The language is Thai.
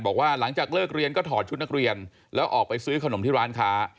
บอกว่าหลังจากเลิกเรียนก็ถอดชุดนักเรียนแล้วออกไปซื้อขนมที่ร้านค้า